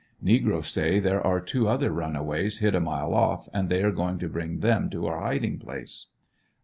Negroes say there are two other runaways hid a, mile off and they are going to bring them to our abiding place.